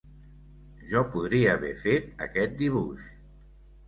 Jo podria haver fet aquest dibuix!